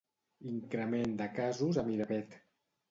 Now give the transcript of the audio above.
Increment de casos a Miravet.